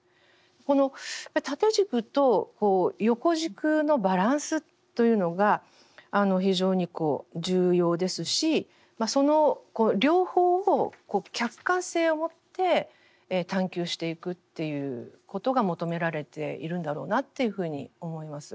この縦軸と横軸のバランスというのが非常に重要ですしその両方を客観性を持って探究していくっていうことが求められているんだろうなというふうに思います。